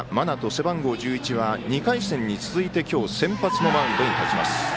背番号１１は、２回戦に続いて今日先発のマウンドに立ちます。